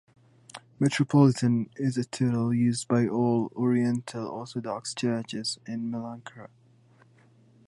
Metropolitan is a titlle used by all oriental orthodox churches in Malankara.